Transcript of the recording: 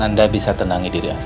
anda bisa tenangi diri anda